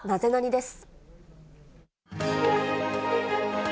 です。